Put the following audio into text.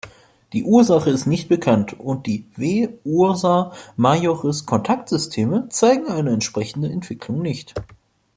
Die Ursache ist nicht bekannt und die W-Ursae-Majoris-Kontaktsysteme zeigen eine entsprechende Entwicklung nicht.